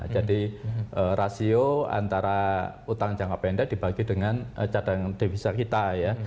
jadi rasio antara utang jangka pendek dibagi dengan cadangan divisa kita ya